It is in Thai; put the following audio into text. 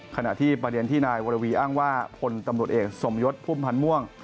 ขณะที่ประเด็นที่นายวรวีอ้างว่าพลตำรวจเอกสมยศพุ่มพันธ์ม่วง